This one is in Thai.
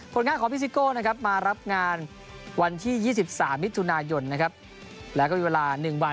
ผลงานของพี่ซิโก้มารับงานวันที่๒๓วิทยุคมิร์สทุนายนแล้วก็มีเวลา๑วัน